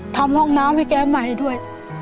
ทำห้องน้ำให้แกใหม่ด้วย